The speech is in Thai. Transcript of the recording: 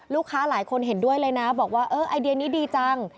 ลูกค้าหลายคนเห็นด้วยเลยนะบอกว่าเออไอเดียนี้ดีจัง